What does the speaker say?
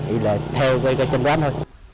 ý là theo với cái chân đoán thôi